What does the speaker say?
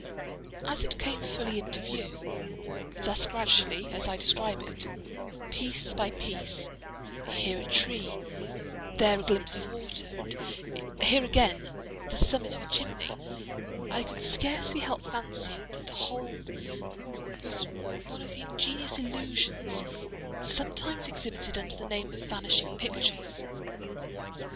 As it came fully into view—thus gradually as I describe it—piece by piece, here a tree, there a glimpse of water, and here again the summit of a chimney, I could scarcely help fancying that the whole was one of the ingenious illusions sometimes exhibited under the name of "vanishing pictures."